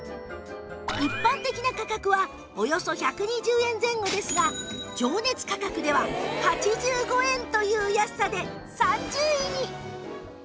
一般的な価格はおよそ１２０円前後ですが情熱価格では８５円という安さで３０位に